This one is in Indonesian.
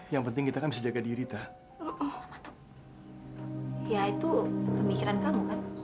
yang penting kita bisa jaga diri tak ya itu pemikiran kamu